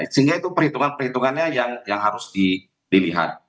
sehingga itu perhitungan perhitungannya yang harus dilihat